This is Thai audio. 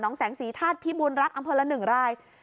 น้องแสงสีธาตุพิมูลรักอำเภาะละ๑ราย